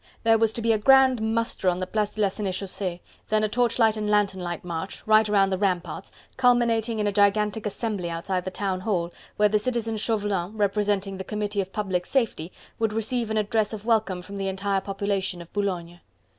There was to be a grand muster on the Place de la Senechaussee, then a torchlight and lanthorn light march, right round the Ramparts, culminating in a gigantic assembly outside the Town Hall, where the Citizen Chauvelin, representing the Committee of Public Safety, would receive an address of welcome from the entire population of Boulogne.